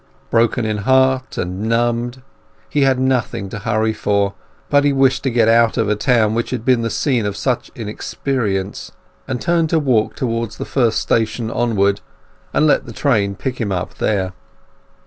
Broken in heart and numbed, he had nothing to hurry for; but he wished to get out of a town which had been the scene of such an experience, and turned to walk to the first station onward, and let the train pick him up there.